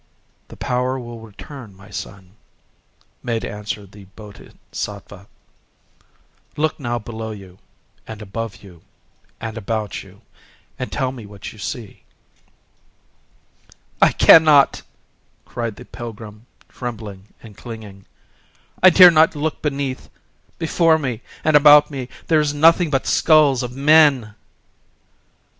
"The power will return, my son," made answer the Bodhisattva…. "Look now below you and above you and about you, and tell me what you see." "I cannot," cried the pilgrim, trembling and clinging; "I dare not look beneath! Before me and about me there is nothing but skulls of men."